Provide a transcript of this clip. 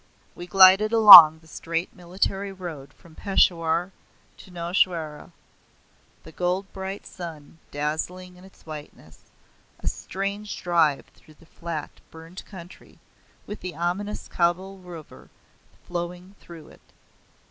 We glided along the straight military road from Peshawar to Nowshera, the gold bright sun dazzling in its whiteness a strange drive through the flat, burned country, with the ominous Kabul River flowing through it.